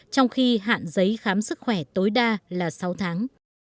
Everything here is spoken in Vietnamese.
trong khi hạn giấy khám sức khỏe tối đa là sáu tháng